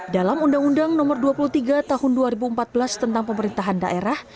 dalam undang undang nomor dua puluh tiga tahun dua ribu empat belas tentang pemerintahan daerah